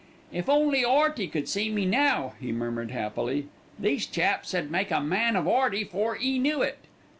"If only 'Earty could see me now," he murmured happily. "These chaps 'ud make a man of 'Earty 'fore 'e knew it.